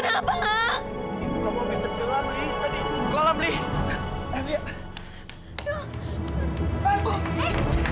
apaan sekali ini